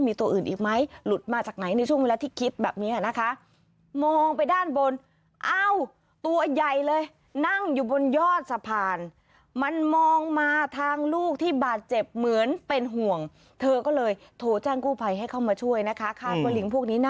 เมื่อปีใหม่ที่ผ่านมาแบบพวกจุดพลุอะไรพวกนี้